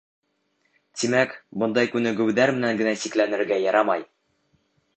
Тимәк, бындай күнегеүҙәр менән генә сикләнергә ярамай.